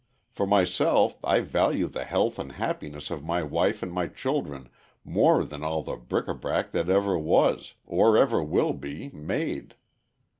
For myself I value the health and happiness of my wife and my children more than all the bric a brac that ever was, or ever will be, made.